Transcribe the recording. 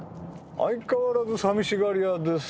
相変わらずさみしがり屋ですか？